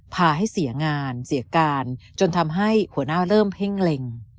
พาให้เสียงานเสียการจนทำให้หัวหน้าเริ่มเพ่งเล็ง